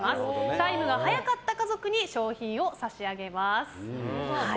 タイムが早かった家族に賞品を差し上げます。